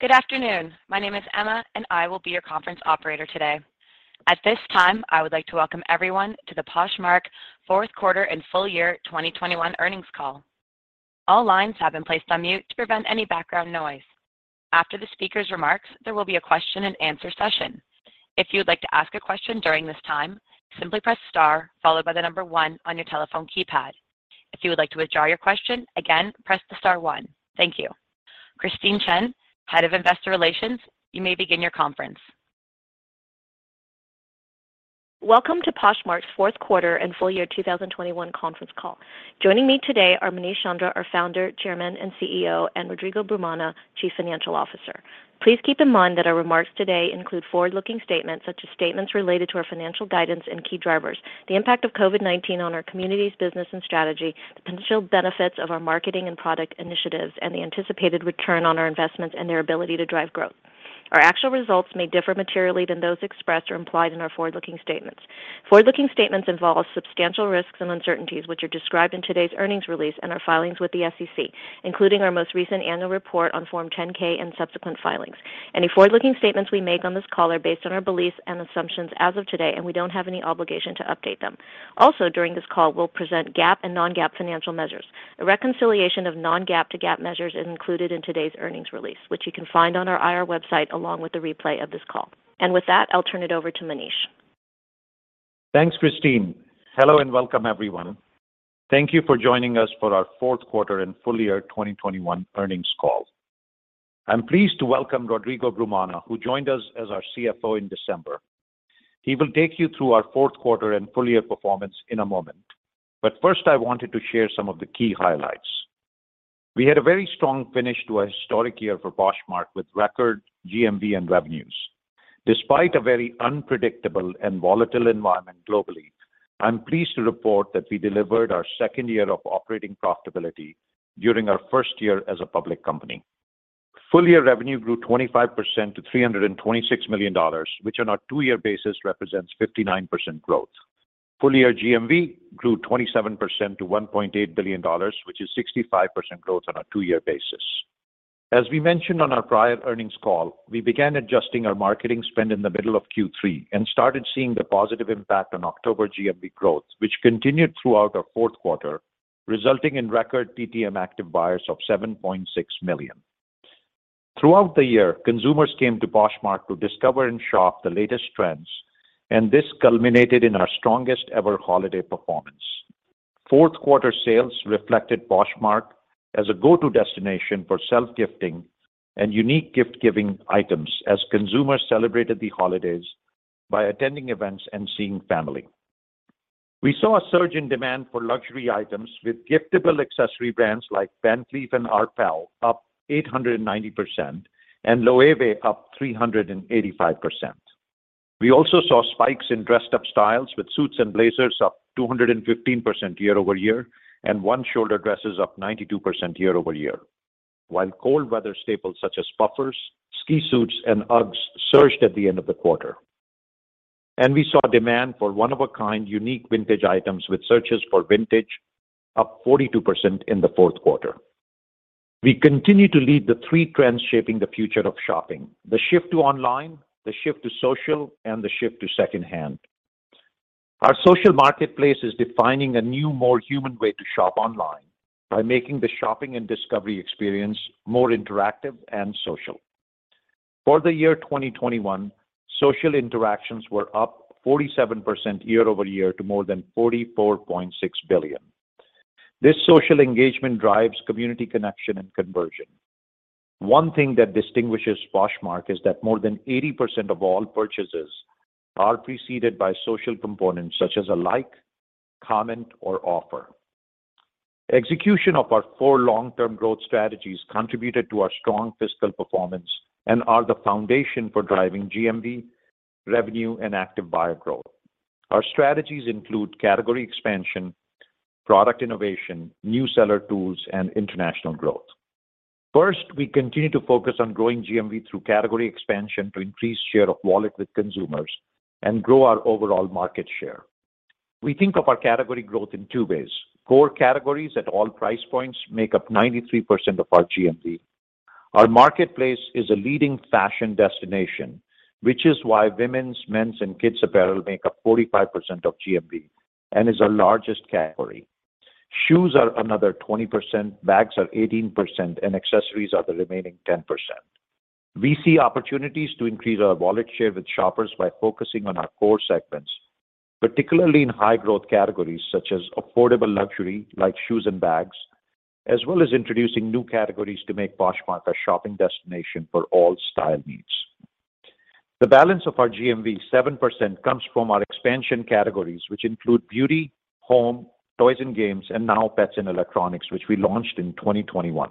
Good afternoon. My name is Emma, and I will be your conference operator today. At this time, I would like to welcome everyone to the Poshmark fourth quarter and full year 2021 earnings call. All lines have been placed on mute to prevent any background noise. After the speaker's remarks, there will be a question and answer session. If you would like to ask a question during this time, simply press star followed by the number 1 on your telephone keypad. If you would like to withdraw your question, again, press the star 1. Thank you. Christine Chen, Head of Investor Relations, you may begin your conference. Welcome to Poshmark's fourth quarter and full year 2021 conference call. Joining me today are Manish Chandra, our Founder, Chairman, and CEO, and Rodrigo Brumana, Chief Financial Officer. Please keep in mind that our remarks today include forward-looking statements such as statements related to our financial guidance and key drivers, the impact of COVID-19 on our community's business and strategy, the potential benefits of our marketing and product initiatives, and the anticipated return on our investments and their ability to drive growth. Our actual results may differ materially than those expressed or implied in our forward-looking statements. Forward-looking statements involve substantial risks and uncertainties, which are described in today's earnings release and our filings with the SEC, including our most recent annual report on Form 10-K and subsequent filings. Any forward-looking statements we make on this call are based on our beliefs and assumptions as of today, and we don't have any obligation to update them. Also, during this call, we'll present GAAP and non-GAAP financial measures. A reconciliation of non-GAAP to GAAP measures is included in today's earnings release, which you can find on our IR website along with the replay of this call. With that, I'll turn it over to Manish. Thanks, Christine. Hello and welcome, everyone. Thank you for joining us for our fourth quarter and full year 2021 earnings call. I'm pleased to welcome Rodrigo Brumana, who joined us as our CFO in December. He will take you through our fourth quarter and full year performance in a moment. First, I wanted to share some of the key highlights. We had a very strong finish to a historic year for Poshmark with record GMV and revenues. Despite a very unpredictable and volatile environment globally, I'm pleased to report that we delivered our second year of operating profitability during our first year as a public company. Full year revenue grew 25% to $326 million, which on our two-year basis represents 59% growth. Full year GMV grew 27% to $1.8 billion, which is 65% growth on a two-year basis. As we mentioned on our prior earnings call, we began adjusting our marketing spend in the middle of Q3 and started seeing the positive impact on October GMV growth, which continued throughout our fourth quarter, resulting in record TTM active buyers of 7.6 million. Throughout the year, consumers came to Poshmark to discover and shop the latest trends, and this culminated in our strongest ever holiday performance. Fourth quarter sales reflected Poshmark as a go-to destination for self-gifting and unique gift-giving items as consumers celebrated the holidays by attending events and seeing family. We saw a surge in demand for luxury items with giftable accessory brands like Van Cleef & Arpels up 890% and Loewe up 385%. We also saw spikes in dressed up styles with suits and blazers up 215% year-over-year and one shoulder dresses up 92% year-over-year. While cold weather staples such as puffers, ski suits, and UGGs surged at the end of the quarter. We saw demand for one-of-a-kind unique vintage items with searches for vintage up 42% in the fourth quarter. We continue to lead the three trends shaping the future of shopping, the shift to online, the shift to social, and the shift to second-hand. Our social marketplace is defining a new, more human way to shop online by making the shopping and discovery experience more interactive and social. For the year 2021, social interactions were up 47% year-over-year to more than 44.6 billion. This social engagement drives community connection and conversion. One thing that distinguishes Poshmark is that more than 80% of all purchases are preceded by social components such as a like, comment, or offer. Execution of our 4 long-term growth strategies contributed to our strong fiscal performance and are the foundation for driving GMV, revenue, and active buyer growth. Our strategies include category expansion, product innovation, new seller tools, and international growth. First, we continue to focus on growing GMV through category expansion to increase share of wallet with consumers and grow our overall market share. We think of our category growth in 2 ways. Core categories at all price points make up 93% of our GMV. Our marketplace is a leading fashion destination, which is why women's, men's, and kids apparel make up 45% of GMV and is our largest category. Shoes are another 20%, bags are 18%, and accessories are the remaining 10%. We see opportunities to increase our wallet share with shoppers by focusing on our core segments, particularly in high growth categories such as affordable luxury like shoes and bags, as well as introducing new categories to make Poshmark a shopping destination for all style needs. The balance of our GMV, 7%, comes from our expansion categories, which include beauty, home, toys and games, and now pets and electronics, which we launched in 2021.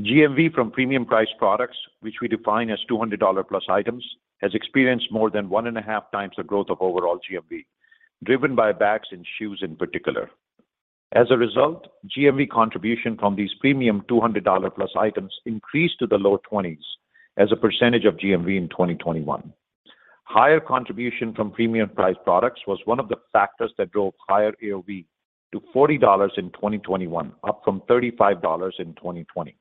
GMV from premium price products, which we define as $200+ items, has experienced more than one and a half times the growth of overall GMV, driven by bags and shoes in particular. As a result, GMV contribution from these premium $200-plus items increased to the low 20s% of GMV in 2021. Higher contribution from premium-priced products was one of the factors that drove higher AOV to $40 in 2021, up from $35 in 2020.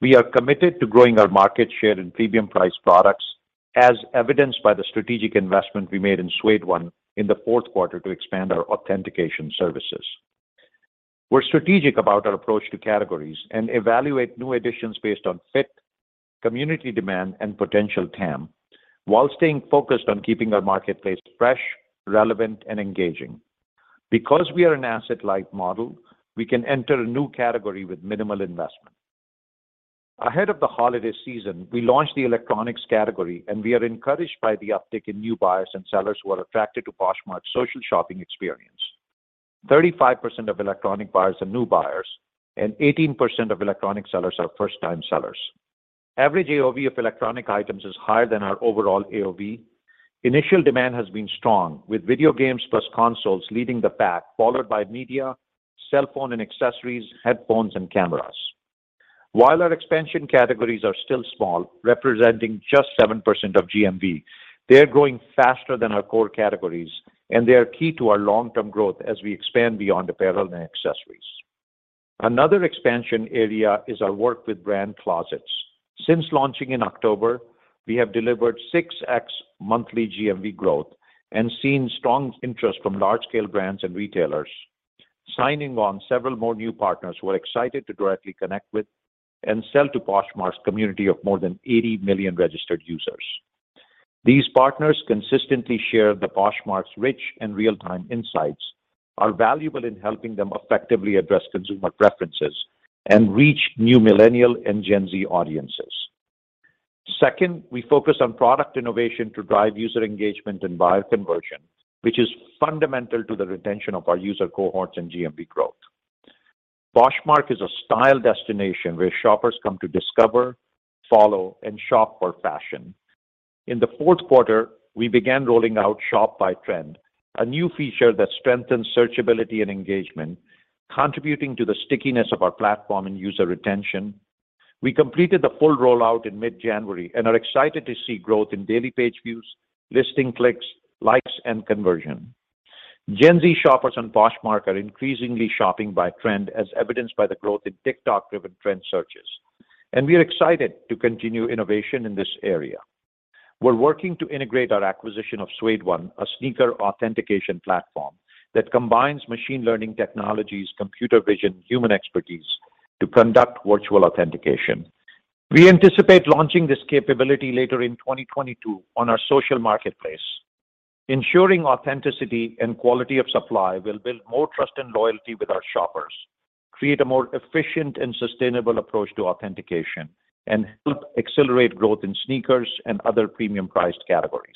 We are committed to growing our market share in premium-priced products as evidenced by the strategic investment we made in Suede One in the fourth quarter to expand our authentication services. We're strategic about our approach to categories and evaluate new additions based on fit, community demand, and potential TAM, while staying focused on keeping our marketplace fresh, relevant, and engaging. Because we are an asset-light model, we can enter a new category with minimal investment. Ahead of the holiday season, we launched the electronics category, and we are encouraged by the uptick in new buyers and sellers who are attracted to Poshmark's social shopping experience. 35% of electronic buyers are new buyers, and 18% of electronic sellers are first-time sellers. Average AOV of electronic items is higher than our overall AOV. Initial demand has been strong, with video games plus consoles leading the pack, followed by media, cell phone and accessories, headphones, and cameras. While our expansion categories are still small, representing just 7% of GMV, they are growing faster than our core categories, and they are key to our long-term growth as we expand beyond apparel and accessories. Another expansion area is our work with brand closets. Since launching in October, we have delivered 6x monthly GMV growth and seen strong interest from large-scale brands and retailers, signing on several more new partners who are excited to directly connect with and sell to Poshmark's community of more than 80 million registered users. These partners consistently share that Poshmark's rich and real-time insights are valuable in helping them effectively address consumer preferences and reach new millennial and Gen Z audiences. Second, we focus on product innovation to drive user engagement and buyer conversion, which is fundamental to the retention of our user cohorts and GMV growth. Poshmark is a style destination where shoppers come to discover, follow, and shop for fashion. In the fourth quarter, we began rolling out Shop by Trend, a new feature that strengthens searchability and engagement, contributing to the stickiness of our platform and user retention. We completed the full rollout in mid-January and are excited to see growth in daily page views, listing clicks, likes, and conversion. Gen Z shoppers on Poshmark are increasingly shopping by trend, as evidenced by the growth in TikTok-driven trend searches, and we are excited to continue innovation in this area. We're working to integrate our acquisition of Suede One, a sneaker authentication platform that combines machine learning technologies, computer vision, human expertise to conduct virtual authentication. We anticipate launching this capability later in 2022 on our social marketplace. Ensuring authenticity and quality of supply will build more trust and loyalty with our shoppers, create a more efficient and sustainable approach to authentication, and help accelerate growth in sneakers and other premium priced categories.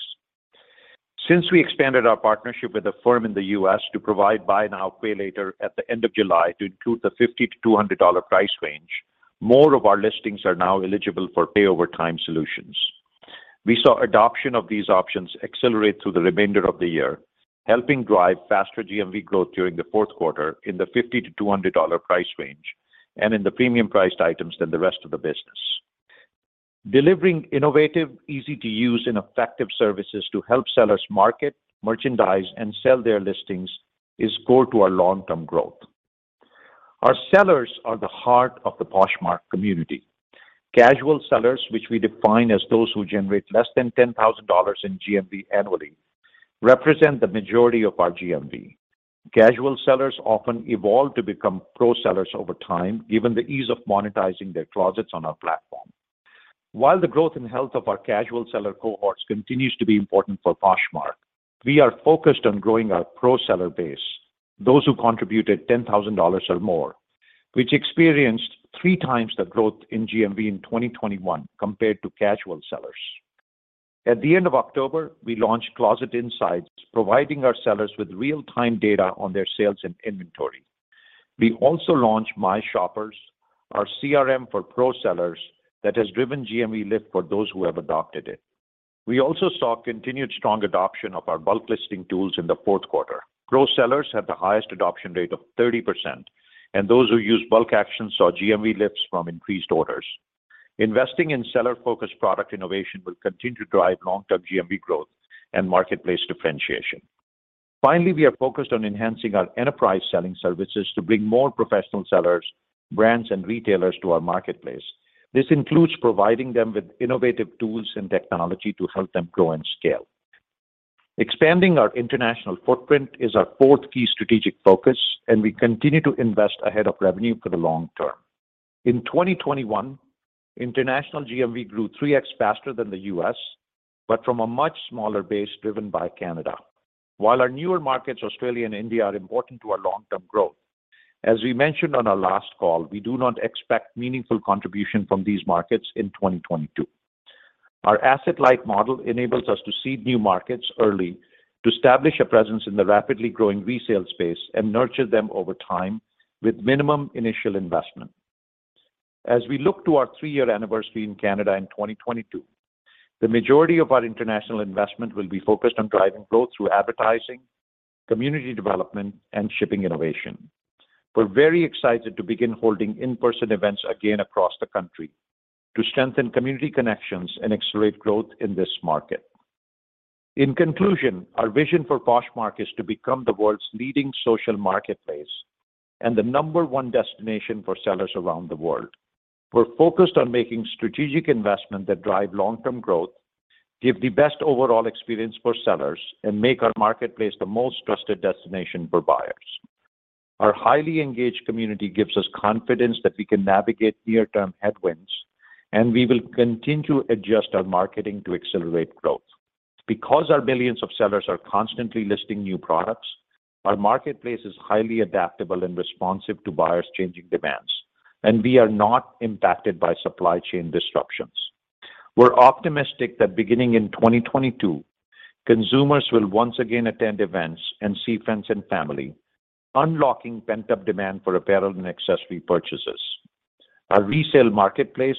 Since we expanded our partnership with Affirm in the U.S. to provide buy now, pay later at the end of July to include the $50-$200 price range, more of our listings are now eligible for pay over time solutions. We saw adoption of these options accelerate through the remainder of the year, helping drive faster GMV growth during the fourth quarter in the $50-$200 price range and in the premium priced items than the rest of the business. Delivering innovative, easy to use, and effective services to help sellers market, merchandise, and sell their listings is core to our long-term growth. Our sellers are the heart of the Poshmark community. Casual sellers, which we define as those who generate less than $10,000 in GMV annually, represent the majority of our GMV. Casual sellers often evolve to become pro sellers over time, given the ease of monetizing their closets on our platform. While the growth and health of our casual seller cohorts continues to be important for Poshmark, we are focused on growing our pro seller base, those who contributed $10,000 or more, which experienced three times the growth in GMV in 2021 compared to casual sellers. At the end of October, we launched Closet Insights, providing our sellers with real-time data on their sales and inventory. We also launched My Shoppers, our CRM for pro sellers that has driven GMV lift for those who have adopted it. We also saw continued strong adoption of our bulk listing tools in the fourth quarter. Pro sellers had the highest adoption rate of 30%, and those who used bulk actions saw GMV lifts from increased orders. Investing in seller-focused product innovation will continue to drive long-term GMV growth and marketplace differentiation. Finally, we are focused on enhancing our enterprise selling services to bring more professional sellers, brands, and retailers to our marketplace. This includes providing them with innovative tools and technology to help them grow and scale. Expanding our international footprint is our fourth key strategic focus, and we continue to invest ahead of revenue for the long term. In 2021, international GMV grew 3x faster than the U.S., but from a much smaller base driven by Canada. While our newer markets, Australia and India, are important to our long-term growth, as we mentioned on our last call, we do not expect meaningful contribution from these markets in 2022. Our asset-light model enables us to seed new markets early, to establish a presence in the rapidly growing resale space and nurture them over time with minimum initial investment. As we look to our three-year anniversary in Canada in 2022, the majority of our international investment will be focused on driving growth through advertising, community development, and shipping innovation. We're very excited to begin holding in-person events again across the country to strengthen community connections and accelerate growth in this market. In conclusion, our vision for Poshmark is to become the world's leading social marketplace and the number one destination for sellers around the world. We're focused on making strategic investment that drive long-term growth, give the best overall experience for sellers, and make our marketplace the most trusted destination for buyers. Our highly engaged community gives us confidence that we can navigate near-term headwinds, and we will continue to adjust our marketing to accelerate growth. Because our millions of sellers are constantly listing new products, our marketplace is highly adaptable and responsive to buyers' changing demands, and we are not impacted by supply chain disruptions. We're optimistic that beginning in 2022, consumers will once again attend events and see friends and family, unlocking pent-up demand for apparel and accessory purchases. Our resale marketplace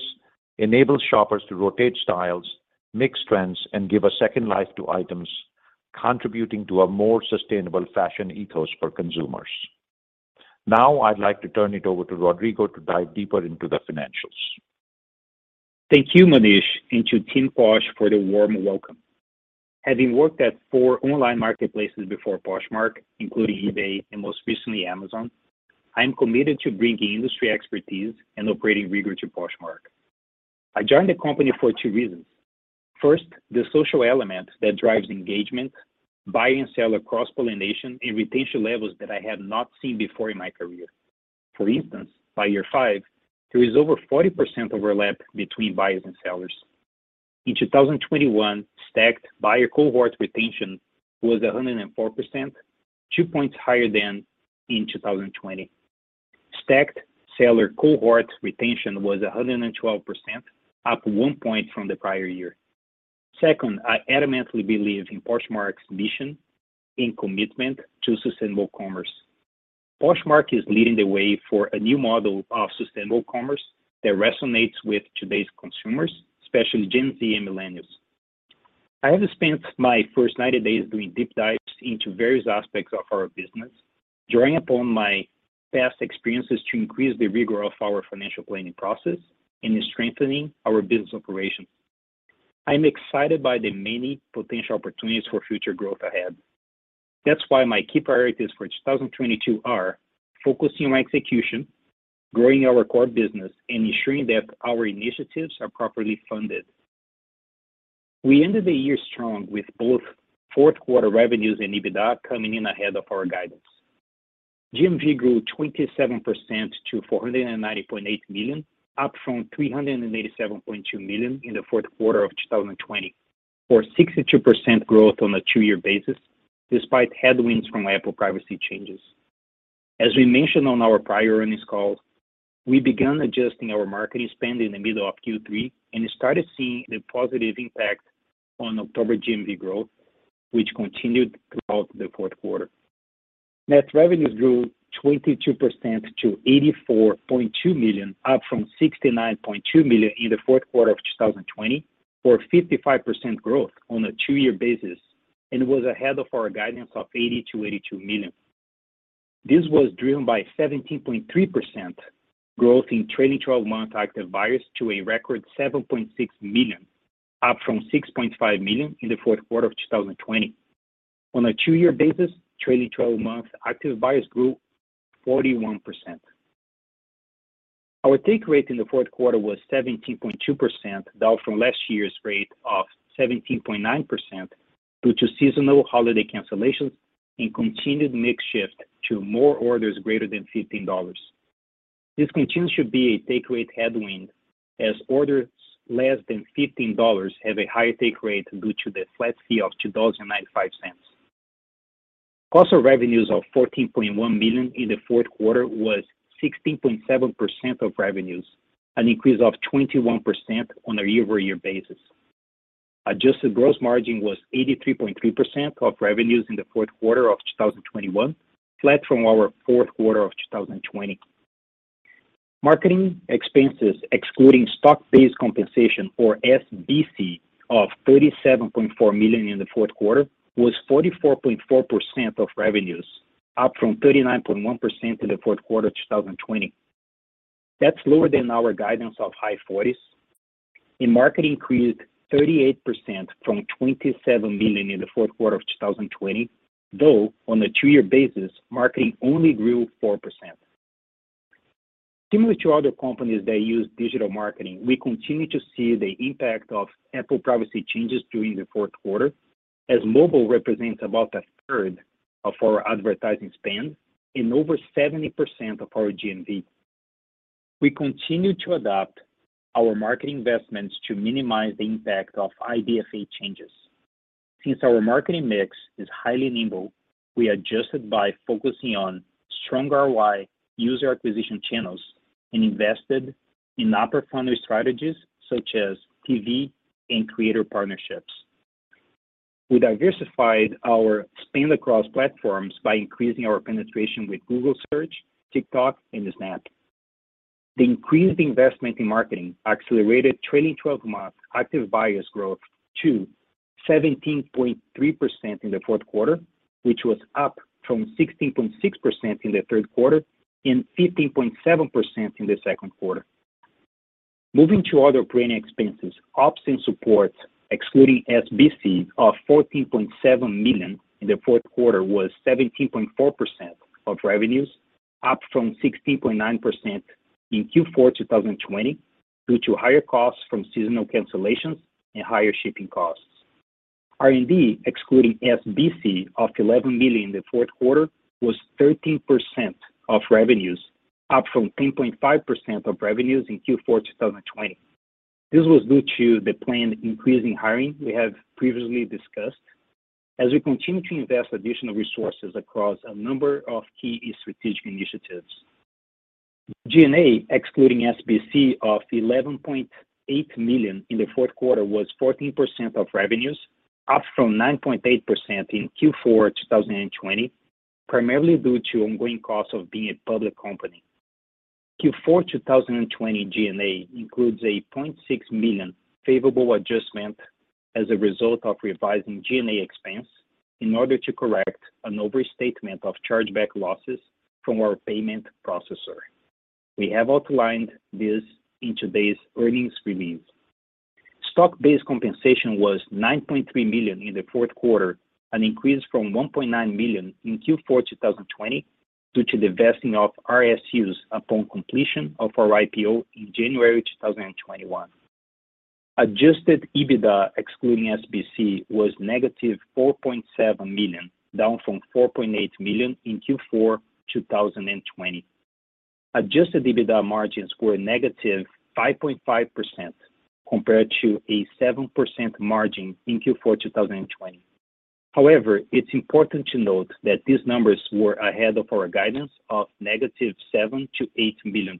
enables shoppers to rotate styles, mix trends, and give a second life to items, contributing to a more sustainable fashion ethos for consumers. Now, I'd like to turn it over to Rodrigo to dive deeper into the financials. Thank you, Manish, and to Team Posh for the warm welcome. Having worked at 4 online marketplaces before Poshmark, including eBay and most recently Amazon, I am committed to bringing industry expertise and operating rigor to Poshmark. I joined the company for two reasons. First, the social element that drives engagement, buy-and-sell cross-pollination, and retention levels that I have not seen before in my career. For instance, by year 5, there is over 40% overlap between buyers and sellers. In 2021, stacked buyer cohort retention was 104%, 2 points higher than in 2020. Stacked seller cohort retention was 112%, up 1 point from the prior year. Second, I adamantly believe in Poshmark's mission and commitment to sustainable commerce. Poshmark is leading the way for a new model of sustainable commerce that resonates with today's consumers, especially Gen Z and millennials. I have spent my first 90 days doing deep dives into various aspects of our business, drawing upon my past experiences to increase the rigor of our financial planning process and strengthening our business operations. I'm excited by the many potential opportunities for future growth ahead. That's why my key priorities for 2022 are focusing on execution, growing our core business, and ensuring that our initiatives are properly funded. We ended the year strong with both fourth quarter revenues and EBITDA coming in ahead of our guidance. GMV grew 27% to $490.8 million, up from $387.2 million in the fourth quarter of 2020 for 62% growth on a two-year basis, despite headwinds from Apple privacy changes. We mentioned on our prior earnings call, we began adjusting our marketing spend in the middle of Q3 and started seeing the positive impact on October GMV growth, which continued throughout the fourth quarter. Net revenues grew 22% to $84.2 million, up from $69.2 million in the fourth quarter of 2020 for 55% growth on a two-year basis, and was ahead of our guidance of $80-$82 million. This was driven by 17.3% growth in trailing twelve-month active buyers to a record 7.6 million, up from 6.5 million in the fourth quarter of 2020. On a two-year basis, trailing twelve-month active buyers grew 41%. Our take rate in the fourth quarter was 17.2%, down from last year's rate of 17.9% due to seasonal holiday cancellations and continued mix shift to more orders greater than $15. This continues to be a take rate headwind as orders less than $15 have a higher take rate due to the flat fee of $2.95. Cost of revenues of $14.1 million in the fourth quarter was 16.7% of revenues, an increase of 21% on a year-over-year basis. Adjusted gross margin was 83.3% of revenues in the fourth quarter of 2021, flat from our fourth quarter of 2020. Marketing expenses, excluding stock-based compensation, or SBC, of $37.4 million in the fourth quarter, was 44.4% of revenues, up from 39.1% in the fourth quarter of 2020. That's lower than our guidance of high 40s, and marketing increased 38% from $27 million in the fourth quarter of 2020, though on a two-year basis, marketing only grew 4%. Similar to other companies that use digital marketing, we continue to see the impact of Apple privacy changes during the fourth quarter, as mobile represents about a third of our advertising spend and over 70% of our GMV. We continue to adapt our marketing investments to minimize the impact of IDFA changes. Since our marketing mix is highly nimble, we adjusted by focusing on strong ROI user acquisition channels and invested in upper funnel strategies such as TV and creator partnerships. We diversified our spend across platforms by increasing our penetration with Google Search, TikTok, and Snap. The increased investment in marketing accelerated trailing twelve-month active buyers growth to 17.3% in the fourth quarter, which was up from 16.6% in the third quarter and 15.7% in the second quarter. Moving to other operating expenses, ops and support, excluding SBC, of $14.7 million in the fourth quarter was 17.4% of revenues, up from 16.9% in Q4 2020 due to higher costs from seasonal cancellations and higher shipping costs. R&D, excluding SBC, of $11 million in the fourth quarter was 13% of revenues, up from 10.5% of revenues in Q4 2020. This was due to the planned increase in hiring we have previously discussed as we continue to invest additional resources across a number of key strategic initiatives. G&A, excluding SBC, of $11.8 million in the fourth quarter was 14% of revenues, up from 9.8% in Q4 2020, primarily due to ongoing costs of being a public company. Q4 2020 G&A includes a $0.6 million favorable adjustment as a result of revising G&A expense in order to correct an overstatement of chargeback losses from our payment processor. We have outlined this in today's earnings release. Stock-based compensation was $9.3 million in the fourth quarter, an increase from $1.9 million in Q4 2020 due to the vesting of RSUs upon completion of our IPO in January 2021. Adjusted EBITDA, excluding SBC, was -$4.7 million, down from $4.8 million in Q4 2020. Adjusted EBITDA margins were -5.5% compared to a 7% margin in Q4 2020. However, it's important to note that these numbers were ahead of our guidance of -$7 million-$8 million.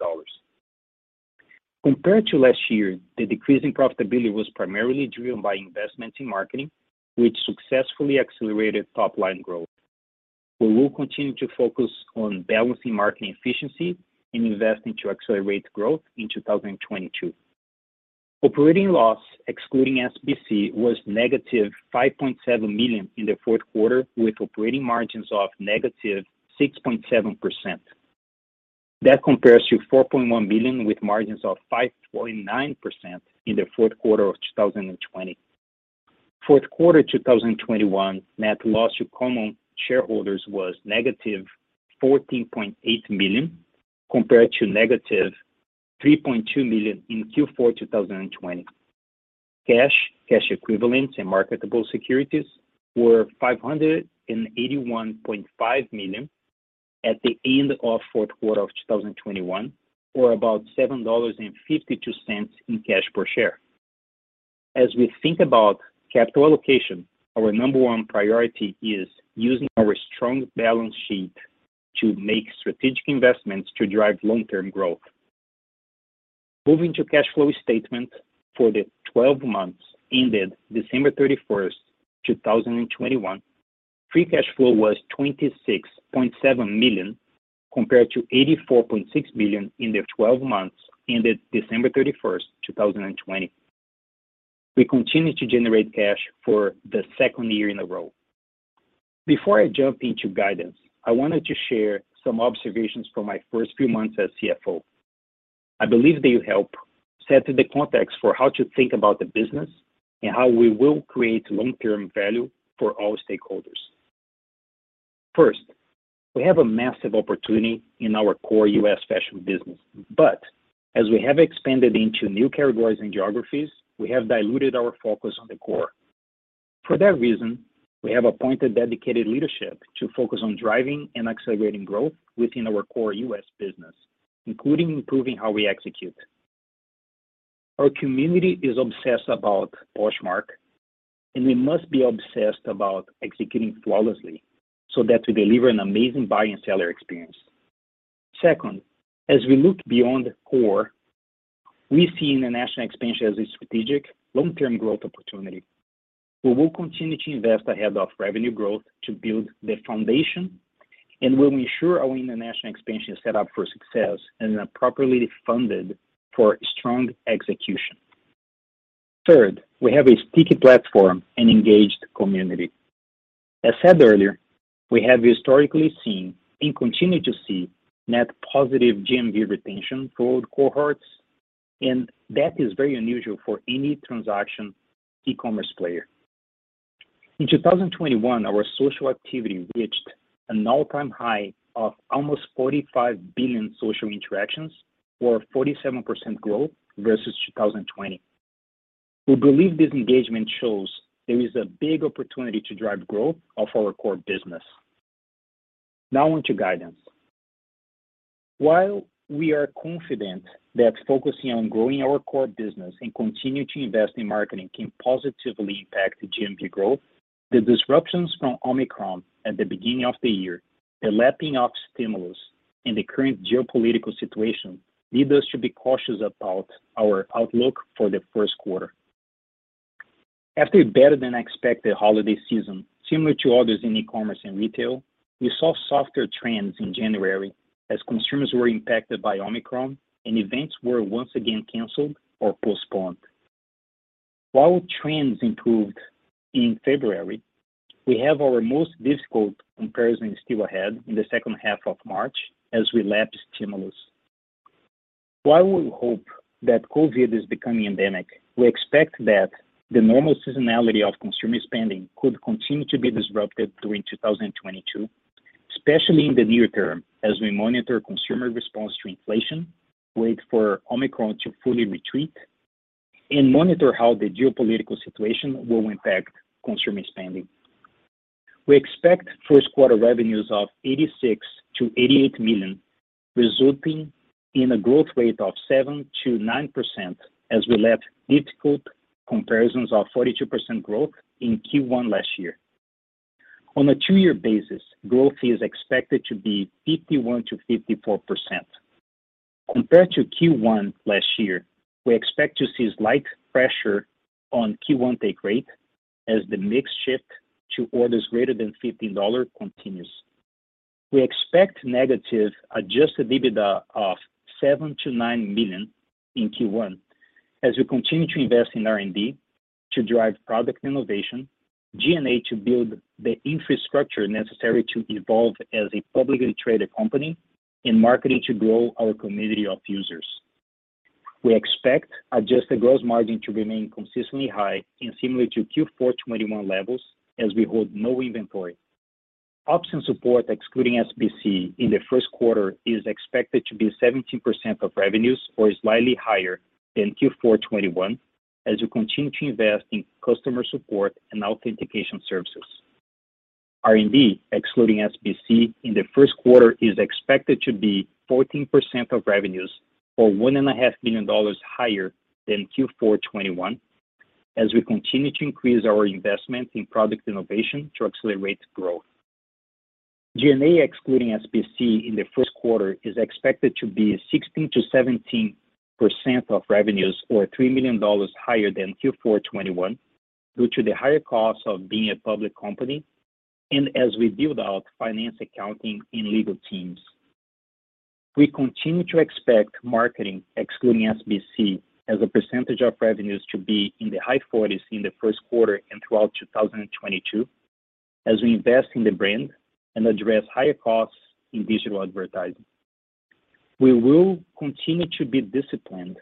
Compared to last year, the decrease in profitability was primarily driven by investments in marketing, which successfully accelerated top-line growth. We will continue to focus on balancing marketing efficiency and investing to accelerate growth in 2022. Operating loss, excluding SBC, was -$5.7 million in the fourth quarter, with operating margins of -6.7%. That compares to $4.1 million with margins of 5.9% in the fourth quarter of 2020. Fourth quarter 2021 net loss to common shareholders was -$14.8 million, compared to -$3.2 million in Q4 2020. Cash, cash equivalents, and marketable securities were $581.5 million at the end of fourth quarter of 2021, or about $7.52 in cash per share. As we think about capital allocation, our number one priority is using our strong balance sheet to make strategic investments to drive long-term growth. Moving to cash flow statement for the twelve months ended December 31, 2021, free cash flow was $26.7 million, compared to $84.6 million in the twelve months ended December 31, 2020. We continue to generate cash for the second year in a row. Before I jump into guidance, I wanted to share some observations from my first few months as CFO. I believe they help set the context for how to think about the business and how we will create long-term value for all stakeholders. First, we have a massive opportunity in our core U.S. fashion business. As we have expanded into new categories and geographies, we have diluted our focus on the core. For that reason, we have appointed dedicated leadership to focus on driving and accelerating growth within our core U.S. business, including improving how we execute. Our community is obsessed about Poshmark, and we must be obsessed about executing flawlessly so that we deliver an amazing buyer and seller experience. Second, as we look beyond core, we see international expansion as a strategic long-term growth opportunity. We will continue to invest ahead of revenue growth to build the foundation and will ensure our international expansion is set up for success and are properly funded for strong execution. Third, we have a sticky platform and engaged community. As said earlier, we have historically seen and continue to see net positive GMV retention for all cohorts, and that is very unusual for any transaction e-commerce player. In 2021, our social activity reached an all-time high of almost 45 billion social interactions or 47% growth versus 2020. We believe this engagement shows there is a big opportunity to drive growth of our core business. Now on to guidance. While we are confident that focusing on growing our core business and continuing to invest in marketing can positively impact the GMV growth, the disruptions from Omicron at the beginning of the year, the lapping of stimulus, and the current geopolitical situation lead us to be cautious about our outlook for the first quarter. After a better than expected holiday season, similar to others in e-commerce and retail, we saw softer trends in January as consumers were impacted by Omicron and events were once again canceled or postponed. While trends improved in February, we have our most difficult comparison still ahead in the second half of March as we lap stimulus. While we hope that COVID is becoming endemic, we expect that the normal seasonality of consumer spending could continue to be disrupted during 2022, especially in the near term as we monitor consumer response to inflation, wait for Omicron to fully retreat, and monitor how the geopolitical situation will impact consumer spending. We expect first quarter revenues of $86 million-$88 million, resulting in a growth rate of 7%-9% as we lap difficult comparisons of 42% growth in Q1 last year. On a two-year basis, growth is expected to be 51%-54%. Compared to Q1 last year, we expect to see slight pressure on Q1 take rate as the mix shift to orders greater than $15 continues. We expect negative adjusted EBITDA of $7 million-$9 million in Q1 as we continue to invest in R&D to drive product innovation, G&A to build the infrastructure necessary to evolve as a publicly traded company, and marketing to grow our community of users. We expect adjusted gross margin to remain consistently high and similar to Q4 2021 levels as we hold no inventory. Ops and support, excluding SBC, in the first quarter is expected to be 17% of revenues or slightly higher than Q4 2021 as we continue to invest in customer support and authentication services. R&D, excluding SBC, in the first quarter is expected to be 14% of revenues or $1.5 million higher than Q4 2021 as we continue to increase our investment in product innovation to accelerate growth. G&A, excluding SBC, in the first quarter is expected to be 16%-17% of revenues or $3 million higher than Q4 2021 due to the higher cost of being a public company and as we build out finance, accounting, and legal teams. We continue to expect marketing, excluding SBC, as a percentage of revenues to be in the high 40s in the first quarter and throughout 2022 as we invest in the brand and address higher costs in digital advertising. We will continue to be disciplined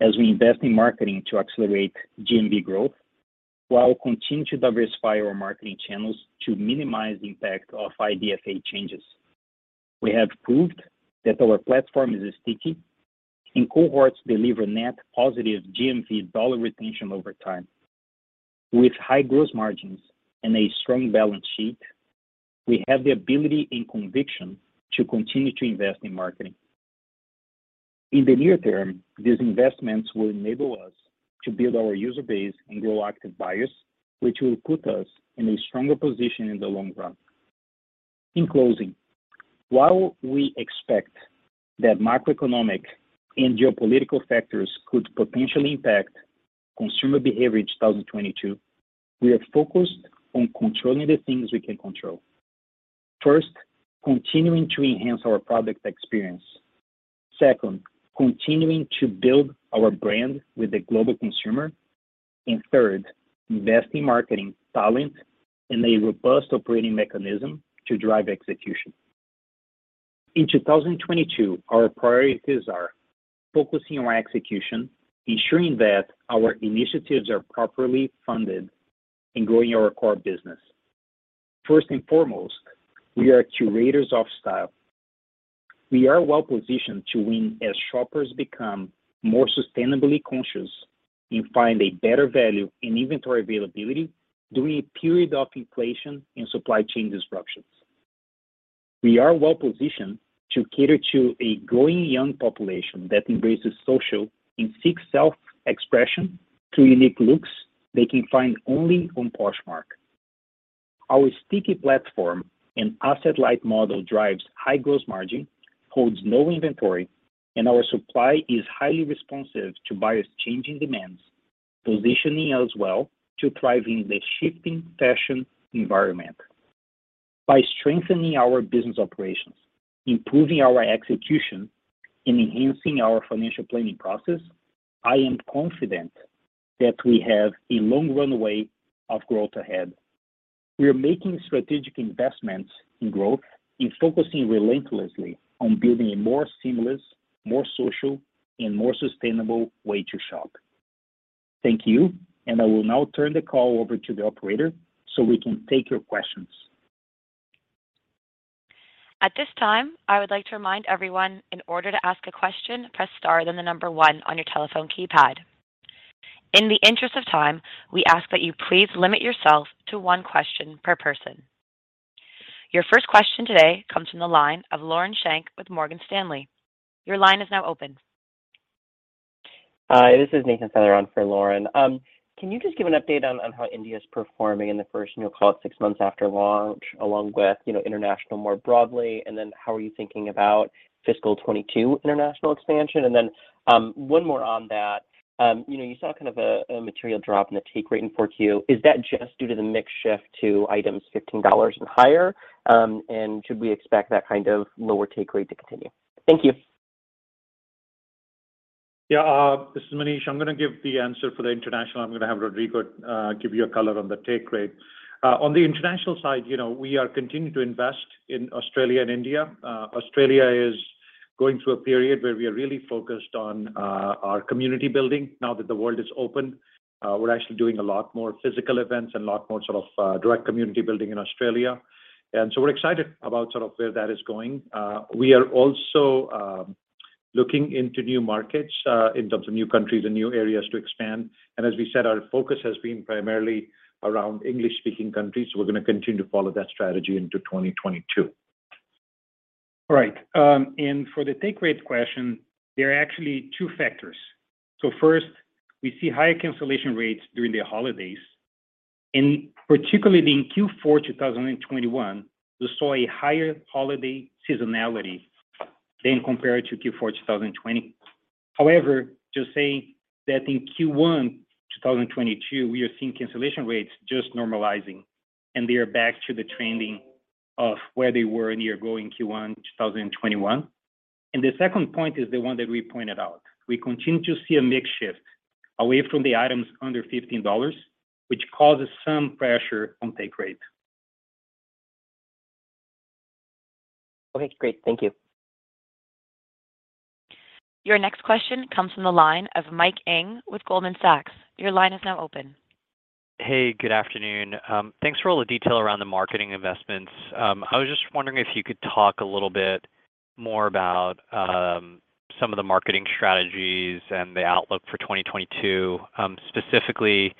as we invest in marketing to accelerate GMV growth, while continue to diversify our marketing channels to minimize the impact of IDFA changes. We have proved that our platform is sticky, and cohorts deliver net positive GMV dollar retention over time. With high gross margins and a strong balance sheet, we have the ability and conviction to continue to invest in marketing. In the near term, these investments will enable us to build our user base and grow active buyers, which will put us in a stronger position in the long run. In closing, while we expect that macroeconomic and geopolitical factors could potentially impact consumer behavior in 2022, we are focused on controlling the things we can control. First, continuing to enhance our product experience. Second, continuing to build our brand with the global consumer. Third, invest in marketing talent and a robust operating mechanism to drive execution. In 2022, our priorities are focusing on execution, ensuring that our initiatives are properly funded, and growing our core business. First and foremost, we are curators of style. We are well-positioned to win as shoppers become more sustainably conscious and find a better value in inventory availability during a period of inflation and supply chain disruptions. We are well-positioned to cater to a growing young population that embraces social and seeks self-expression through unique looks they can find only on Poshmark. Our sticky platform and asset-light model drives high gross margin, holds no inventory, and our supply is highly responsive to buyers' changing demands, positioning us well to thrive in the shifting fashion environment. By strengthening our business operations, improving our execution, and enhancing our financial planning process, I am confident that we have a long runway of growth ahead. We are making strategic investments in growth and focusing relentlessly on building a more seamless, more social, and more sustainable way to shop. Thank you, and I will now turn the call over to the operator so we can take your questions. At this time, I would like to remind everyone that in order to ask a question, press star, then the number one on your telephone keypad. In the interest of time, we ask that you please limit yourself to one question per person. Your first question today comes from the line of Lauren Schenk with Morgan Stanley. Your line is now open. Hi, this is Nathan Feather for Lauren. Can you just give an update on how India is performing in the first, you know, call it six months after launch, along with, you know, international more broadly? Then how are you thinking about fiscal 2022 international expansion? Then one more on that. You know, you saw kind of a material drop in the take rate in Q4. Is that just due to the mix shift to items $15 and higher? And should we expect that kind of lower take rate to continue? Thank you. Yeah. This is Manish. I'm gonna give the answer for the international. I'm gonna have Rodrigo give you a color on the take rate. On the international side, you know, we are continuing to invest in Australia and India. Australia is going through a period where we are really focused on our community building now that the world is open. We're actually doing a lot more physical events and a lot more sort of direct community building in Australia. We're excited about sort of where that is going. We are also looking into new markets in terms of new countries and new areas to expand. As we said, our focus has been primarily around English-speaking countries. We're gonna continue to follow that strategy into 2022. All right. For the take rate question, there are actually two factors. First, we see higher cancellation rates during the holidays, and particularly in Q4 2021, we saw a higher holiday seasonality than compared to Q4 2020. However, just saying that in Q1 2022, we are seeing cancellation rates just normalizing, and they are back to the trend of where they were a year ago in Q1 2021. The second point is the one that we pointed out. We continue to see a mix shift away from the items under $15, which causes some pressure on take rate. Okay, great. Thank you. Your next question comes from the line of Mike Ng with Goldman Sachs. Your line is now open. Hey, good afternoon. Thanks for all the detail around the marketing investments. I was just wondering if you could talk a little bit more about some of the marketing strategies and the outlook for 2022. Specifically,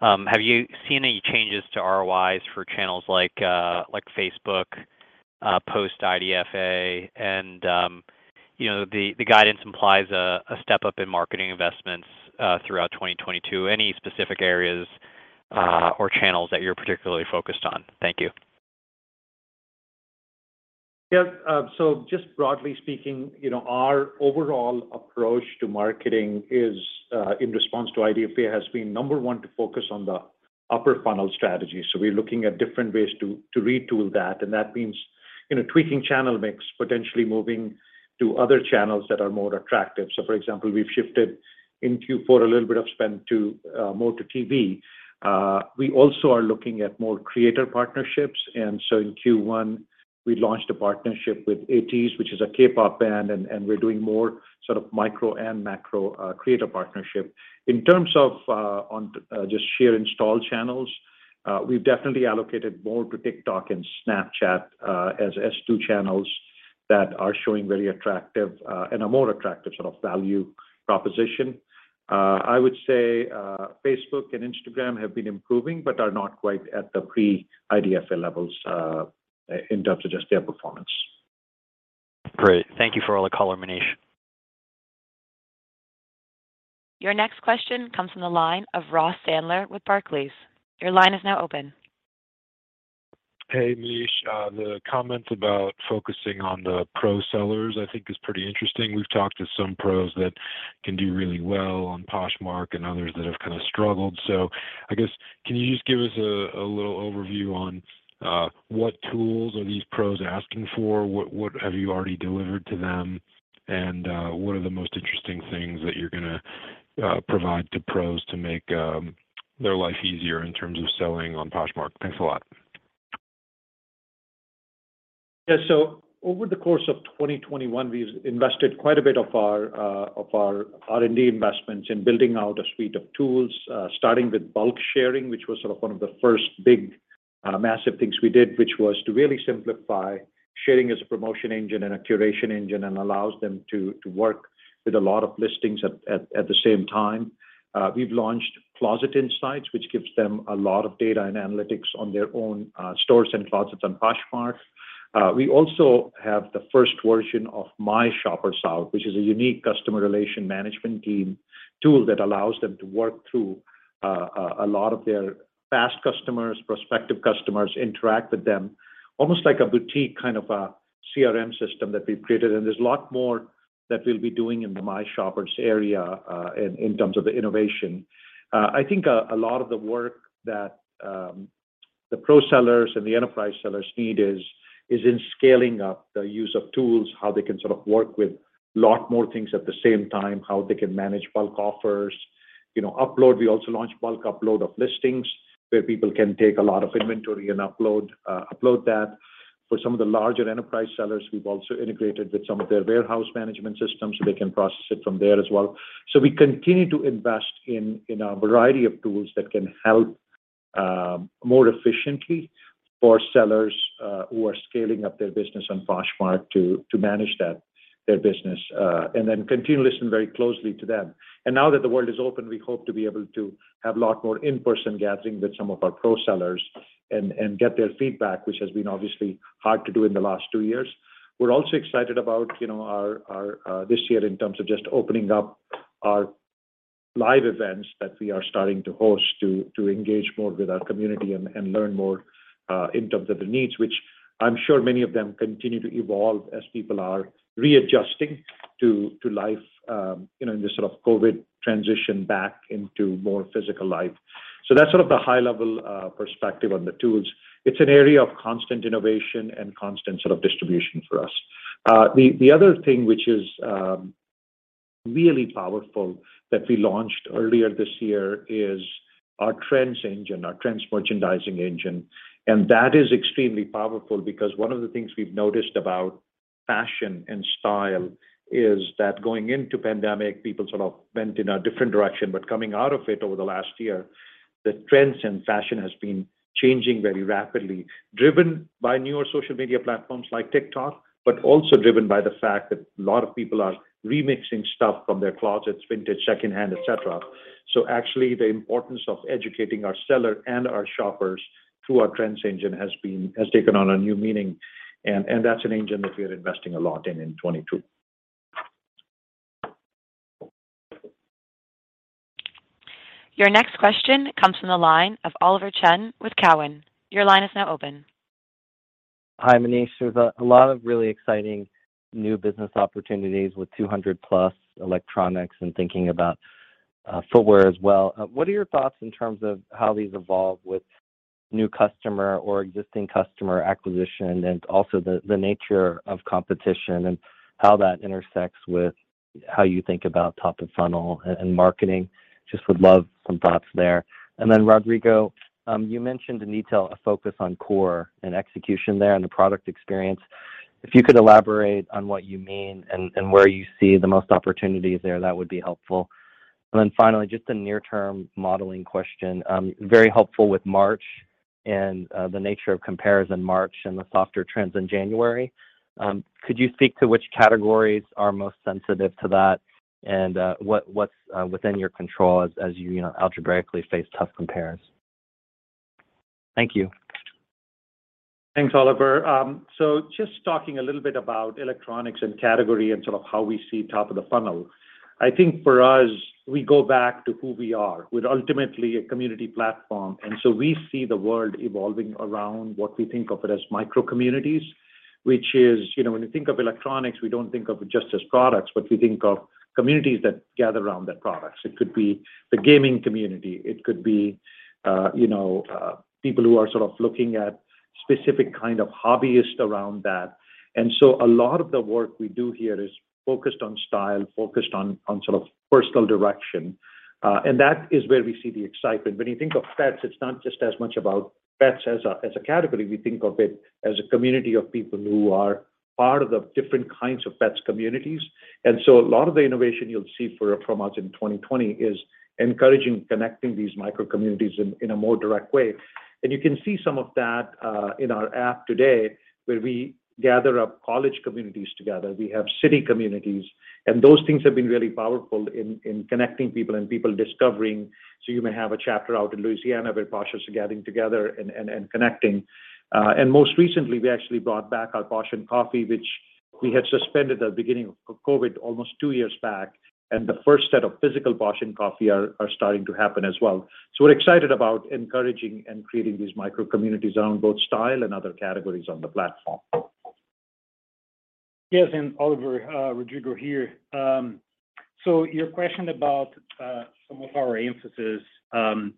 have you seen any changes to ROIs for channels like Facebook post IDFA? You know, the guidance implies a step-up in marketing investments throughout 2022. Any specific areas or channels that you're particularly focused on? Thank you. Yeah. Just broadly speaking, you know, our overall approach to marketing is in response to IDFA, has been, number one, to focus on the upper funnel strategy. We're looking at different ways to retool that, and that means, you know, tweaking channel mix, potentially moving to other channels that are more attractive. For example, we've shifted in Q4 a little bit of spend to more to TV. We also are looking at more creator partnerships. In Q1, we launched a partnership with ATEEZ, which is a K-pop band, and we're doing more sort of micro and macro creator partnership. In terms of just sheer install channels, we've definitely allocated more to TikTok and Snapchat as secondary channels that are showing very attractive and a more attractive sort of value proposition. I would say, Facebook and Instagram have been improving but are not quite at the pre-IDFA levels, in terms of just their performance. Great. Thank you for all the color, Manish. Your next question comes from the line of Ross Sandler with Barclays. Your line is now open. Hey, Manish. The comment about focusing on the pro sellers, I think is pretty interesting. We've talked to some pros that can do really well on Poshmark and others that have kind of struggled. I guess, can you just give us a little overview on what tools are these pros asking for? What have you already delivered to them? What are the most interesting things that you're gonna provide to pros to make their life easier in terms of selling on Poshmark? Thanks a lot. Yeah. Over the course of 2021, we've invested quite a bit of our R&D investments in building out a suite of tools, starting with bulk sharing, which was sort of one of the first big massive things we did, which was to really simplify sharing as a promotion engine and a curation engine and allows them to work with a lot of listings at the same time. We've launched Closet Insights, which gives them a lot of data and analytics on their own stores and closets on Poshmark. We also have the first version of My Shoppers app, which is a unique customer relationship management CRM tool that allows them to work through a lot of their past customers, prospective customers, interact with them, almost like a boutique kind of a CRM system that we've created. There's a lot more that we'll be doing in the My Shoppers area, in terms of the innovation. I think a lot of the work that the pro sellers and the enterprise sellers need is in scaling up the use of tools, how they can sort of work with lot more things at the same time, how they can manage bulk offers. You know, we also launched bulk upload of listings where people can take a lot of inventory and upload that. For some of the larger enterprise sellers, we've also integrated with some of their warehouse management systems, so they can process it from there as well. We continue to invest in a variety of tools that can help more efficiently for sellers who are scaling up their business on Poshmark to manage that, their business and then continue to listen very closely to them. Now that the world is open, we hope to be able to have a lot more in-person gathering with some of our pro sellers and get their feedback, which has been obviously hard to do in the last two years. We're also excited about, you know, our this year in terms of just opening up our live events that we are starting to host to engage more with our community and learn more in terms of the needs, which I'm sure many of them continue to evolve as people are readjusting to life, you know, in this sort of COVID transition back into more physical life. That's sort of the high-level perspective on the tools. It's an area of constant innovation and constant sort of distribution for us. The other thing which is really powerful that we launched earlier this year is our trends engine, our trends merchandising engine. That is extremely powerful because one of the things we've noticed about fashion and style is that going into the pandemic, people sort of went in a different direction. Coming out of it over the last year, the trends in fashion has been changing very rapidly, driven by newer social media platforms like TikTok, but also driven by the fact that a lot of people are remixing stuff from their closets, vintage, secondhand, et cetera. Actually, the importance of educating our seller and our shoppers through our trends engine has taken on a new meaning, and that's an engine that we are investing a lot in in 2022. Your next question comes from the line of Oliver Chen with Cowen. Your line is now open. Hi, Manish. There's a lot of really exciting new business opportunities with 200+ electronics and thinking about footwear as well. What are your thoughts in terms of how these evolve with new customer or existing customer acquisition and also the nature of competition and how that intersects with how you think about top of funnel and marketing? Just would love some thoughts there. Rodrigo, you mentioned in detail a focus on core and execution there and the product experience. If you could elaborate on what you mean and where you see the most opportunities there, that would be helpful. Finally, just a near-term modeling question. It would be very helpful with March and the nature of compares in March and the softer trends in January. Could you speak to which categories are most sensitive to that and what's within your control as you know, algebraically face tough compares? Thank you. Thanks, Oliver. Just talking a little bit about electronics and category and sort of how we see top of the funnel. I think for us, we go back to who we are. We're ultimately a community platform, and so we see the world evolving around what we think of it as micro communities, which is, you know, when we think of electronics, we don't think of it just as products, but we think of communities that gather around the products. It could be the gaming community. It could be, you know, people who are sort of looking at specific kind of hobbyist around that. A lot of the work we do here is focused on style, focused on sort of personal direction, and that is where we see the excitement. When you think of pets, it's not just as much about pets as a category. We think of it as a community of people who are part of the different kinds of pets communities. A lot of the innovation you'll see from us in 2020 is encouraging connecting these micro communities in a more direct way. You can see some of that in our app today, where we gather up college communities together. We have city communities. Those things have been really powerful in connecting people and people discovering. You may have a chapter out in Louisiana where Poshers are gathering together and connecting. Most recently, we actually brought back our Posh N Coffee, which we had suspended at the beginning of COVID almost two years back, and the first set of physical Posh N Coffee are starting to happen as well. We're excited about encouraging and creating these micro communities around both style and other categories on the platform. Yes, Oliver, Rodrigo here. Your question about some of our emphasis on